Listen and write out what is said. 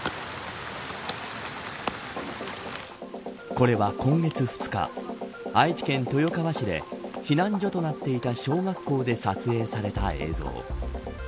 これは今月２日愛知県豊川市で避難所となっていた小学校で撮影された映像。